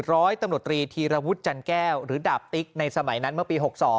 ร้อยตำรวจตรีธีรวุฒิจันแก้วหรือดาบติ๊กในสมัยนั้นเมื่อปี๖๒